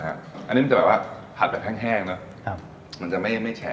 อันนี้คือผัดแค่แค่งมันจะไม่ให้ฉะ